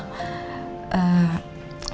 cemburu ya sama mbak felis